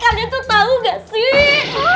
kalian tau gak sih